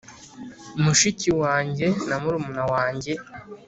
mushiki wanjye na murumuna wanjye;